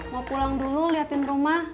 mau pulang dulu liatin rumah